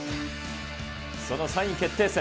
その３位決定戦。